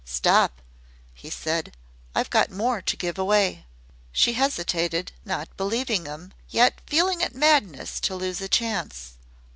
"Stop," he said; "I've got more to give away." She hesitated not believing him, yet feeling it madness to lose a chance.